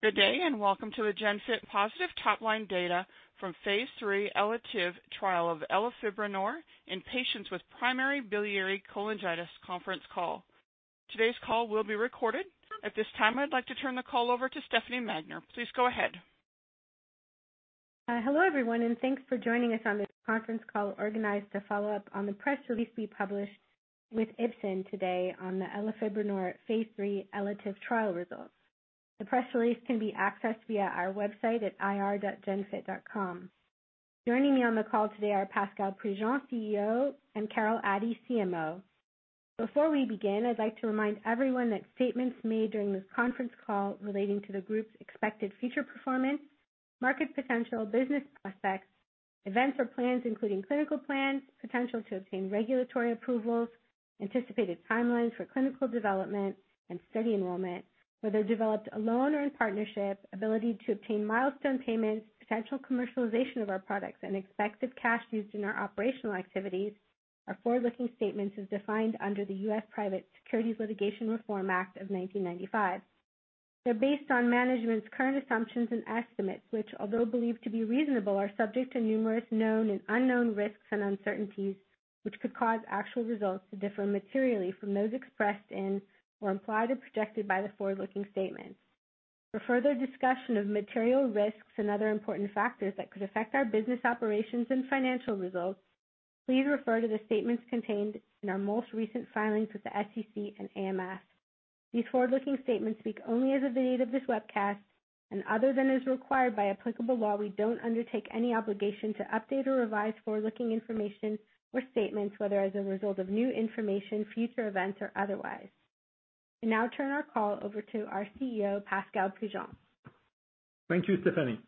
Good day, welcome to the GENFIT positive top-line data from phase III ELATIVE trial of elafibranor in patients with primary biliary cholangitis conference call. Today's call will be recorded. At this time, I'd like to turn the call over to Stéphanie Magnier. Please go ahead. Hello, everyone, and thanks for joining us on this conference call organized to follow up on the press release we published with Ipsen today on the elafibranor Phase III ELATIVE trial results. The press release can be accessed via our website at ir.genfit.com. Joining me on the call today are Pascal Prigent, CEO, and Carol Addy, CMO. Before we begin, I'd like to remind everyone that statements made during this conference call relating to the group's expected future performance, market potential, business prospects, events or plans, including clinical plans, potential to obtain regulatory approvals, anticipated timelines for clinical development and study enrollment, whether developed alone or in partnership, ability to obtain milestone payments, potential commercialization of our products, and expected cash used in our operational activities, are forward-looking statements as defined under the US Private Securities Litigation Reform Act of 1995. They're based on management's current assumptions and estimates, which, although believed to be reasonable, are subject to numerous known and unknown risks and uncertainties, which could cause actual results to differ materially from those expressed in or implied or projected by the forward-looking statements. For further discussion of material risks and other important factors that could affect our business operations and financial results, please refer to the statements contained in our most recent filings with the SEC and AMF. These forward-looking statements speak only as of the date of this webcast, and other than is required by applicable law, we don't undertake any obligation to update or revise forward-looking information or statements, whether as a result of new information, future events, or otherwise. I now turn our call over to our CEO, Pascal Prigent. Thank you, Stephanie.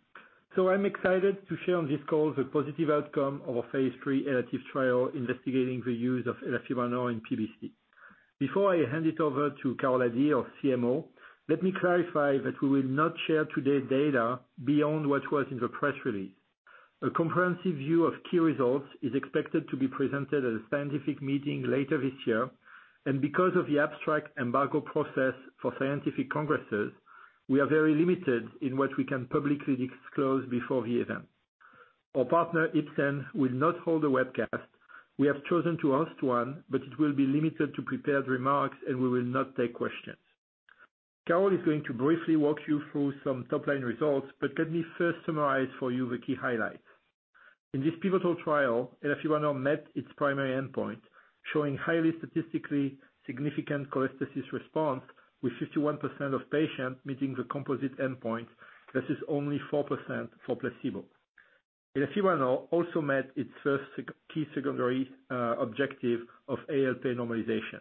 I'm excited to share on this call the positive outcome of our phase 3 ELATIVE trial investigating the use of elafibranor in PBC. Before I hand it over to Carol Addy, our CMO, let me clarify that we will not share today data beyond what was in the press release. A comprehensive view of key results is expected to be presented at a scientific meeting later this year, and because of the abstract embargo process for scientific congresses, we are very limited in what we can publicly disclose before the event. Our partner, Ipsen, will not hold a webcast. We have chosen to host one, but it will be limited to prepared remarks, and we will not take questions. Carol is going to briefly walk you through some top-line results, but let me first summarize for you the key highlights. In this pivotal trial, elafibranor met its primary endpoint, showing highly statistically significant cholestasis response, with 51% of patients meeting the composite endpoint. This is only 4% for placebo. Elafibranor also met its first Key secondary objective of ALP normalization.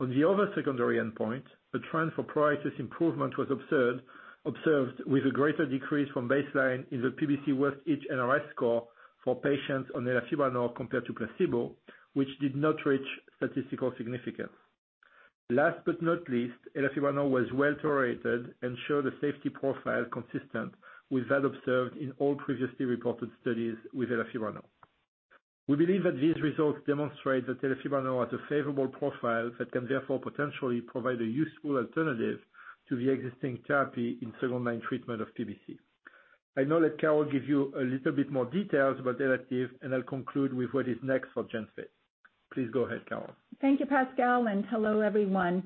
On the other secondary endpoint, a trend for pruritus improvement was observed with a greater decrease from baseline in the PBC Worst Itch NRS score for patients on elafibranor compared to placebo, which did not reach statistical significance. Last but not least, elafibranor was well tolerated and showed a safety profile consistent with that observed in all previously reported studies with elafibranor. We believe that these results demonstrate that elafibranor has a favorable profile that can therefore potentially provide a useful alternative to the existing therapy in second-line treatment of PBC. I now let Carol give you a little bit more details about ELATIVE, and I'll conclude with what is next for GENFIT. Please go ahead, Carol. Thank you, Pascal. Hello, everyone.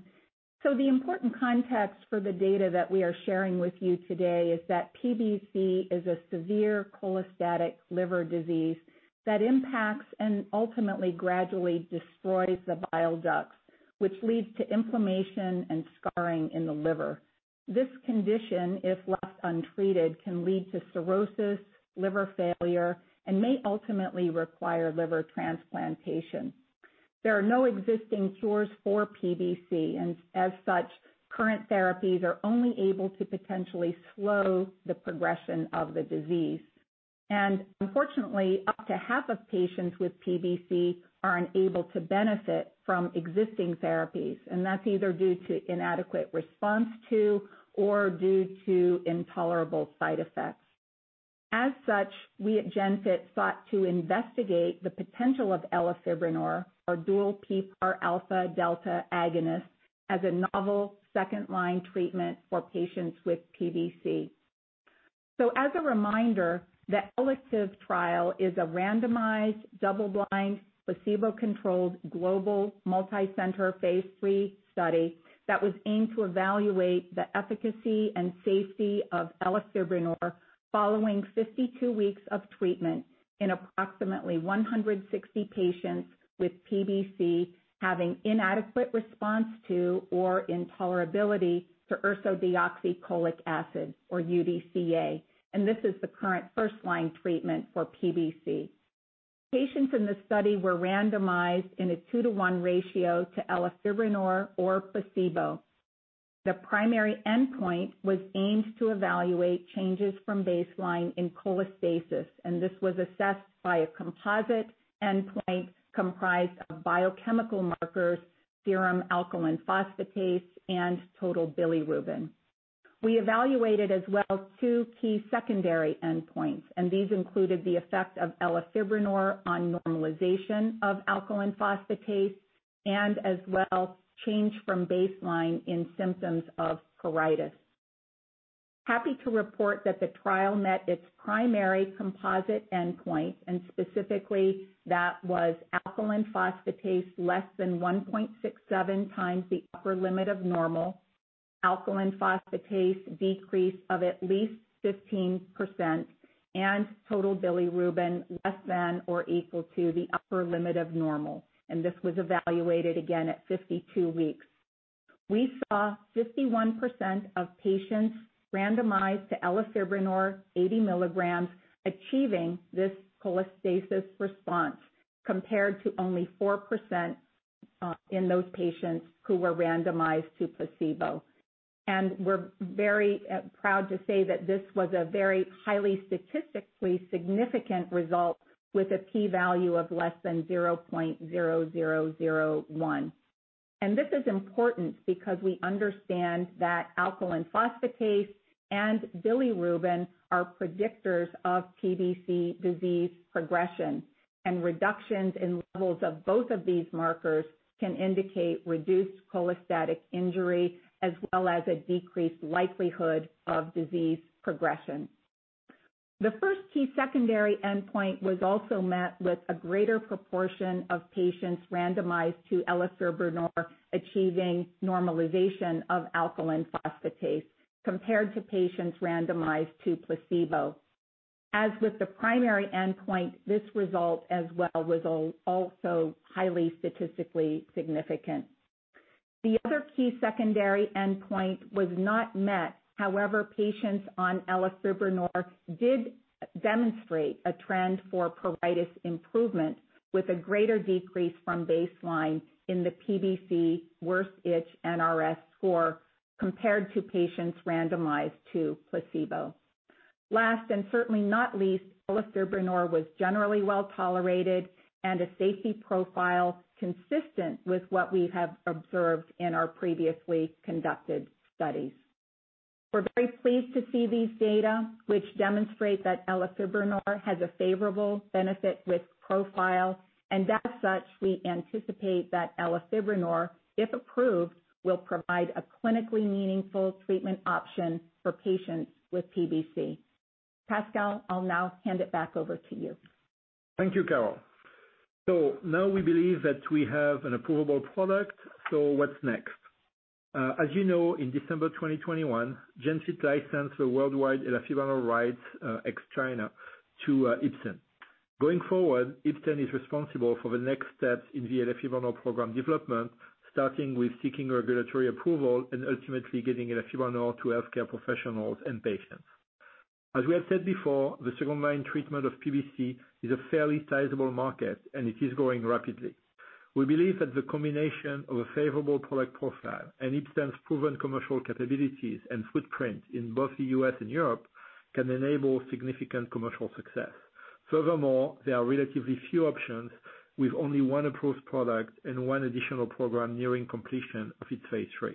The important context for the data that we are sharing with you today is that PBC is a severe cholestatic liver disease that impacts and ultimately gradually destroys the bile ducts, which leads to inflammation and scarring in the liver. This condition, if left untreated, can lead to cirrhosis, liver failure, and may ultimately require liver transplantation. There are no existing cures for PBC, and as such, current therapies are only able to potentially slow the progression of the disease. Unfortunately, up to half of patients with PBC are unable to benefit from existing therapies, and that's either due to inadequate response to or due to intolerable side effects. As such, we at GENFIT sought to investigate the potential of elafibranor, our dual PPAR alpha/delta agonist, as a novel second-line treatment for patients with PBC. As a reminder, the ELATIVE trial is a randomized, double-blind, placebo-controlled, global, multi-center, phase 3 study that was aimed to evaluate the efficacy and safety of elafibranor following 52 weeks of treatment in approximately 160 patients with PBC having inadequate response to or intolerability to ursodeoxycholic acid, or UDCA. This is the current first-line treatment for PBC. Patients in this study were randomized in a 2-to-1 ratio to elafibranor or placebo. The primary endpoint was aimed to evaluate changes from baseline in cholestasis. This was assessed by a composite endpoint comprised of biochemical markers, serum alkaline phosphatase, and total bilirubin. We evaluated as well 2 key secondary endpoints. These included the effect of elafibranor on normalization of alkaline phosphatase. As well, change from baseline in symptoms of pruritus. Happy to report that the trial met its primary composite endpoint, and specifically, that was alkaline phosphatase less than 1.67 times the upper limit of normal. Alkaline phosphatase decrease of at least 15%, and total bilirubin less than or equal to the upper limit of normal, and this was evaluated again at 52 weeks. We saw 51% of patients randomized to elafibranor 80 milligrams achieving this cholestasis response, compared to only 4% in those patients who were randomized to placebo. We're very proud to say that this was a very highly statistically significant result with a P value of less than 0.0001. This is important because we understand that alkaline phosphatase and bilirubin are predictors of PBC disease progression, and reductions in levels of both of these markers can indicate reduced cholestatic injury, as well as a decreased likelihood of disease progression. The first key secondary endpoint was also met with a greater proportion of patients randomized to elafibranor, achieving normalization of alkaline phosphatase compared to patients randomized to placebo. As with the primary endpoint, this result as well was also highly statistically significant. The other key secondary endpoint was not met. However, patients on elafibranor did demonstrate a trend for pruritus improvement, with a greater decrease from baseline in the PBC Worst Itch NRS score compared to patients randomized to placebo. Last, certainly not least, elafibranor was generally well-tolerated and a safety profile consistent with what we have observed in our previously conducted studies. We're very pleased to see these data, which demonstrate that elafibranor has a favorable benefit-risk profile. As such, we anticipate that elafibranor, if approved, will provide a clinically meaningful treatment option for patients with PBC. Pascal, I'll now hand it back over to you. Thank you, Carol. Now we believe that we have an approvable product. What's next? As you know, in December 2021, GENFIT licensed the worldwide elafibranor rights ex-China to Ipsen. Going forward, Ipsen is responsible for the next steps in the elafibranor program development, starting with seeking regulatory approval and ultimately getting elafibranor to healthcare professionals and patients. As we have said before, the second-line treatment of PBC is a fairly sizable market, and it is growing rapidly. We believe that the combination of a favorable product profile and Ipsen's proven commercial capabilities and footprint in both the U.S. and Europe can enable significant commercial success. Furthermore, there are relatively few options, with only one approved product and one additional program nearing completion of its Phase III.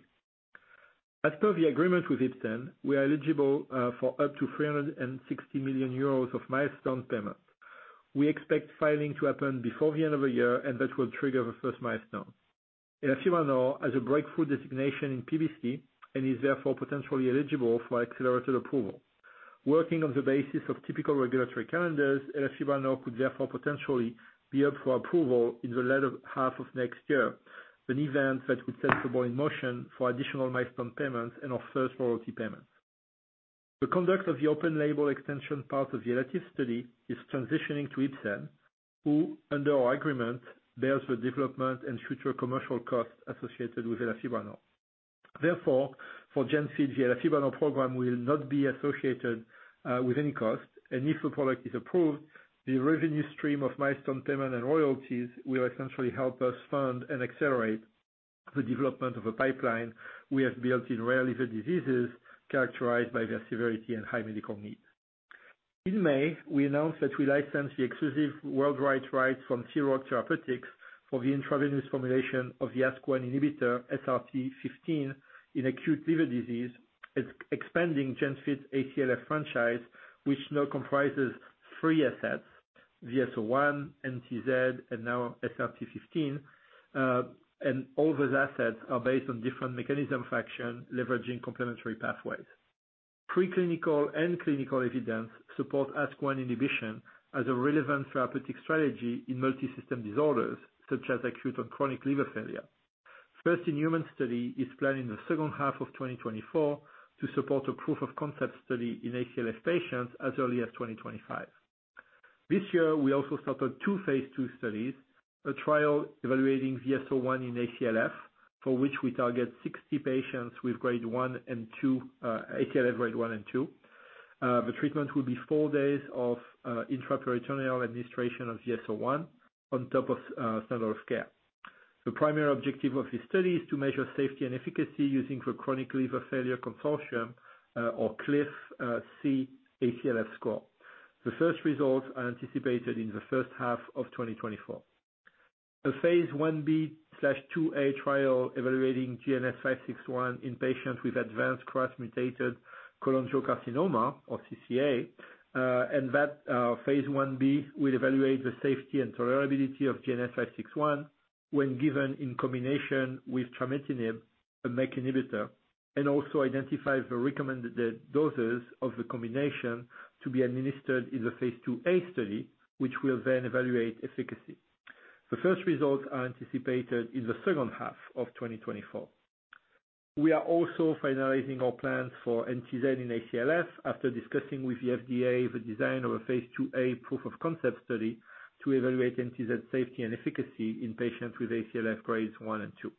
As per the agreement with Ipsen, we are eligible for up to 360 million euros of milestone payments. We expect filing to happen before the end of the year, and that will trigger the first milestone. Elafibranor has a Breakthrough Designation in PBC and is therefore potentially eligible for accelerated approval. Working on the basis of typical regulatory calendars, elafibranor could therefore potentially be up for approval in the latter half of next year, an event that would set the ball in motion for additional milestone payments and our first royalty payment. The conduct of the open label extension part of the ELATIVE study is transitioning to Ipsen, who, under our agreement, bears the development and future commercial costs associated with elafibranor. For GENFIT, the elafibranor program will not be associated with any cost, and if the product is approved, the revenue stream of milestone payments and royalties will essentially help us fund and accelerate the development of a pipeline we have built in rare liver diseases characterized by their severity and high medical needs. In May, we announced that we licensed the exclusive worldwide rights from SealRock Therapeutics for the intravenous formulation of the ASK1 inhibitor SRT-015 in acute liver disease, expanding GENFIT's ACLF franchise, which now comprises three assets, VS-01, NTZ, and now SRT-015. All those assets are based on different mechanism of action, leveraging complementary pathways. Preclinical and clinical evidence support ASK1 inhibition as a relevant therapeutic strategy in multisystem disorders such as acute and chronic liver failure. First in-human study is planned in the second half of 2024 to support a proof of concept study in ACLF patients as early as 2025. This year, we also started 2 phase 2 studies, a trial evaluating VS-01 in ACLF, for which we target 60 patients with grade 1 and 2, ACLF grade 1 and 2. The treatment will be 4 days of intraperitoneal administration of VS-01 on top of standard of care. The primary objective of this study is to measure safety and efficacy using the Chronic Liver Failure Consortium, or CLIF-C ACLF score. The first results are anticipated in the first half of 2024. The Phase Ib/IIa trial evaluating GNS561 in patients with advanced KRAS-mutated cholangiocarcinoma or CCA. That Phase 1b will evaluate the safety and tolerability of GNS561 when given in combination with trametinib, a MEK inhibitor, and also identify the recommended doses of the combination to be administered in the Phase 2a study, which will then evaluate efficacy. The first results are anticipated in the second half of 2024. We are also finalizing our plans for NTZ in ACLF after discussing with the FDA the design of a Phase 2a proof of concept study to evaluate NTZ safety and efficacy in patients with ACLF Grades 1 and 2.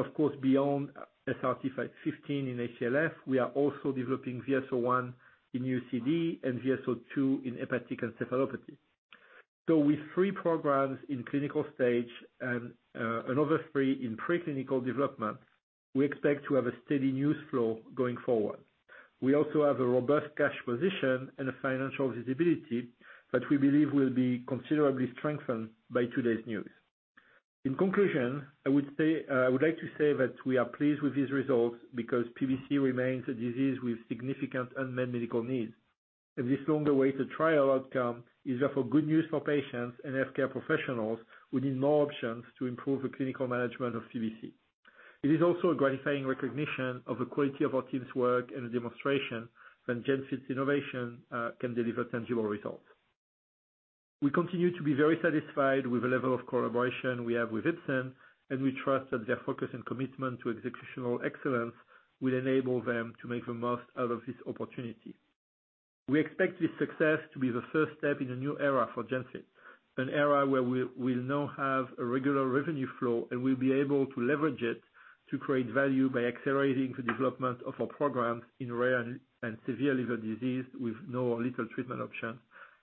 Of course, beyond SRT-015 in ACLF, we are also developing VS-01 in UCD and VS-02-HE in hepatic encephalopathy. With 3 programs in clinical stage and another 3 in preclinical development, we expect to have a steady news flow going forward. We also have a robust cash position and a financial visibility that we believe will be considerably strengthened by today's news. In conclusion, I would say, I would like to say that we are pleased with these results because PBC remains a disease with significant unmet medical needs. This longer wait to trial outcome is therefore good news for patients and healthcare professionals who need more options to improve the clinical management of PBC. It is also a gratifying recognition of the quality of our team's work and a demonstration that GENFIT's innovation can deliver tangible results. We continue to be very satisfied with the level of collaboration we have with Ipsen, and we trust that their focus and commitment to executional excellence will enable them to make the most out of this opportunity. We expect this success to be the first step in a new era for GENFIT, an era where we now have a regular revenue flow and we'll be able to leverage it to create value by accelerating the development of our programs in rare and severe liver disease with no or little treatment option.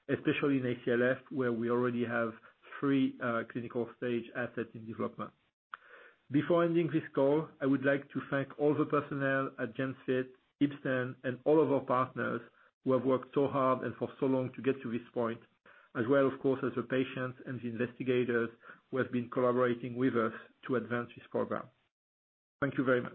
Especially in ACLF, where we already have three clinical stage assets in development. Before ending this call, I would like to thank all the personnel at GENFIT, Ipsen, and all of our partners who have worked so hard and for so long to get to this point, as well, of course, as the patients and the investigators who have been collaborating with us to advance this program. Thank you very much.